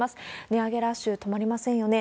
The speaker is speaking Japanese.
値上げラッシュ、止まりませんよね。